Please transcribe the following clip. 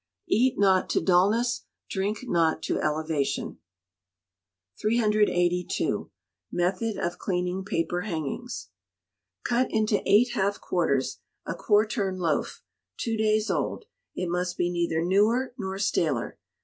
[EAT NOT TO DULNESS DRINK NOT TO ELEVATION.] 382. Method of Cleaning Paper Hangings. Cut into eight half quarters a quartern loaf, two days old; it must be neither newer nor staler.